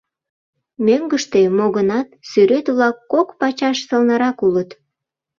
Мӧҥгыштӧ, мо гынат, сӱрет-влак кок пачаш сылнырак улыт.